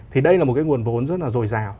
thì đây là một cái nguồn vốn rất là dồi dào